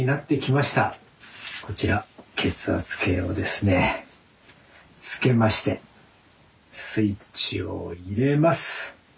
こちら血圧計をですねつけましてスイッチを入れます。